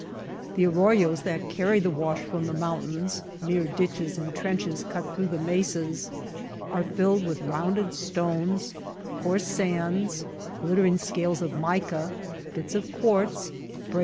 The arroyos that carry the wash from the mountains — mere ditches and trenches cut through the mesas — are filled with rounded stones, coarse sands, glittering scales of mica, bits of quartz, breaks Rising up from the desert.